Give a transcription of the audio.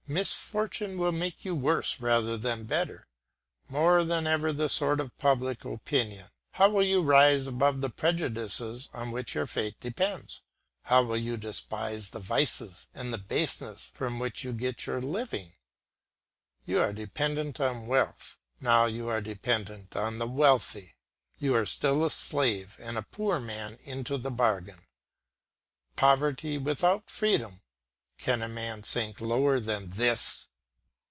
Misfortune will make you worse rather than better. More than ever the sport of public opinion, how will you rise above the prejudices on which your fate depends? How will you despise the vices and the baseness from which you get your living? You were dependent on wealth, now you are dependent on the wealthy; you are still a slave and a poor man into the bargain. Poverty without freedom, can a man sink lower than this!